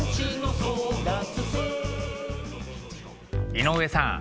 井上さん。